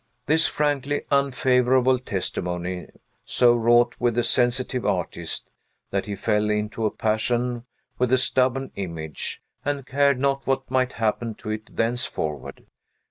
This frankly unfavorable testimony so wrought with the sensitive artist, that he fell into a passion with the stubborn image, and cared not what might happen to it thenceforward.